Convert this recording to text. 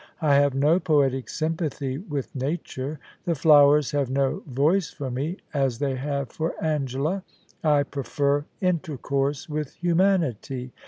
I have no poetic sympathy with nature. The flowers have no voice for me, as they have for Angela. I prefer intercourse with humanity.